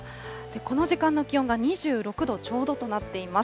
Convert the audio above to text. この時間の気温が２６度ちょうどとなっています。